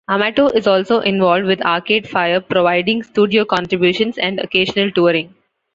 Amato is also involved with Arcade Fire providing studio contributions and occasional touring.